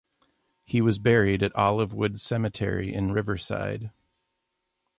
He was buried at Olivewood Cemetery in Riverside.